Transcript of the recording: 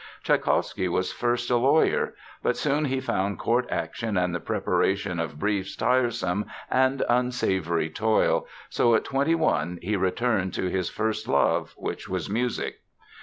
Tschaikowsky was first a lawyer. But soon he found court action and the preparation of briefs tiresome and unsavory toil, so at twenty one he returned to his first love, which was music.